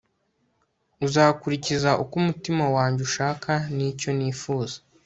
uzakurikiza uko umutima wanjye ushaka n'icyo nifuza